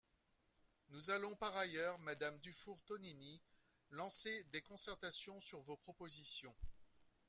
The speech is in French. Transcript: Nous allons par ailleurs, madame Dufour-Tonini, lancer des concertations sur vos propositions.